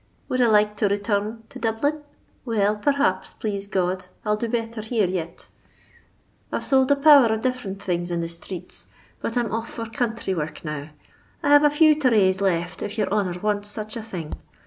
Would I like to returren to Dublin 1 Well, perhaps, plaze God, I '11 do betthur here yit. I 've sonld a power of diflferent things in the sthreets, but I 'm off for counthry work now. I have a few therrays left if your honour wants such a thing.